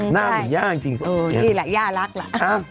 หน้าเหมือนย่าจริงนี่แหละย่ารักล่ะ